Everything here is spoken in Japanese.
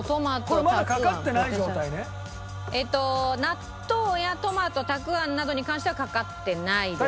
納豆やトマトたくあんなどに関してはかかってないです。